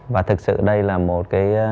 và thực sự đây là một cái